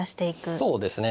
そうですね。